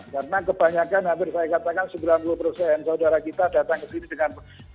karena kebanyakan hampir saya katakan sembilan puluh persen saudara kita datang ke sini dengan pekerjaan